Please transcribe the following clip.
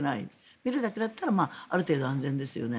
見るだけだったらある程度、安全ですよね。